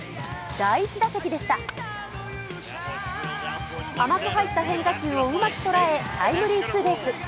第１打席でした甘く入った変化球をうまく捉えタイムリーツーベース。